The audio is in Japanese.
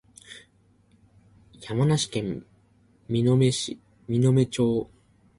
山梨県身延町